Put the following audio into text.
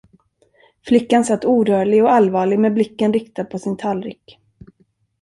Flickan satt orörlig och allvarlig med blicken riktad på sin tallrik.